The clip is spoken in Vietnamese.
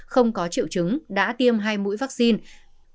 không có triệu chứng đã tiêm hai mũi vaccine